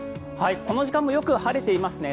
この時間もよく晴れていますね。